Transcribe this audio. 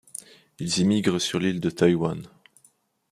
Ils immigrent sur l'île de Taïwan.